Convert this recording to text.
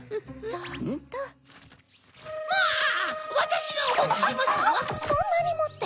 そんなにもって。